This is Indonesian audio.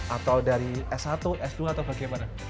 atau dari s satu s dua atau bagaimana